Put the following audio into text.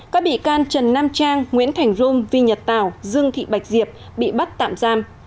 các bị can trần nam trang nguyễn thành rung vi nhật tảo dương thị bạch diệp bị bắt tạm giam